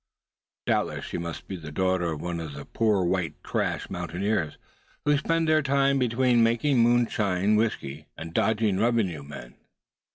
Doubtless she must be the daughter of one of the poor "white trash" mountaineers who spend their time between making moonshine whiskey, and dodging revenue men.